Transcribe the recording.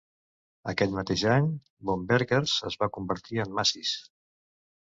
Aquell mateix any, Bamberger's es va convertir en Macy's.